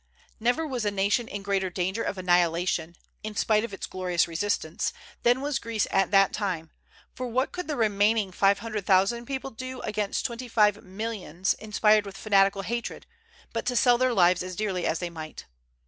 Never was a nation in greater danger of annihilation, in spite of its glorious resistance, than was Greece at that time, for what could the remaining five hundred thousand people do against twenty five millions inspired with fanatical hatred, but to sell their lives as dearly as they might?